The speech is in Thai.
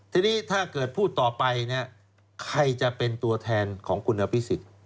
ทีนี้ถ้าเกิดพูดต่อไปเนี่ยใครจะเป็นตัวแทนของคุณอภิษฎ